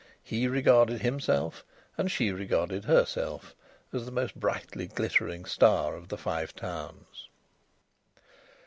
He regarded himself, and she regarded herself, as the most brightly glittering star of the Five Towns.